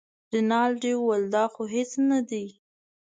رینالډي وویل دا خو هېڅ نه دي.